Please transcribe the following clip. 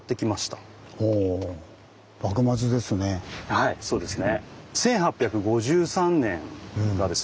はいそうですね。